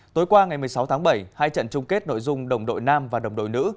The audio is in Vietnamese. tối qua ngày một mươi sáu tháng bảy hai trận chung kết nội dung đồng đội nam và đồng đội nữ